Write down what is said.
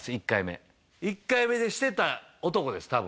１回目１回目でしてた男です